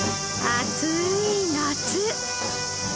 暑い夏。